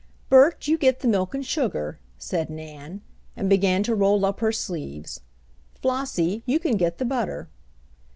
"Bert, you get the milk and sugar," said Nan, and began to roll up her sleeves. "Flossie, you can get the butter."